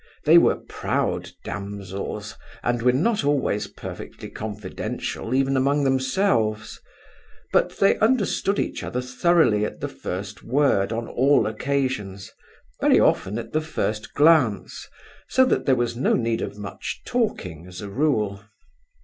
They were proud damsels, and were not always perfectly confidential even among themselves. But they understood each other thoroughly at the first word on all occasions; very often at the first glance, so that there was no need of much talking as a rule.